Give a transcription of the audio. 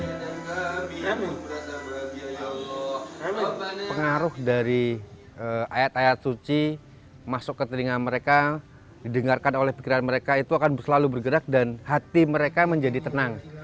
pengaruh dari ayat ayat suci masuk ke telinga mereka didengarkan oleh pikiran mereka itu akan selalu bergerak dan hati mereka menjadi tenang